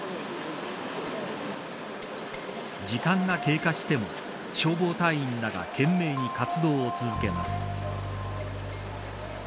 時間が経過しても消防隊員らが懸命に活動を続けます。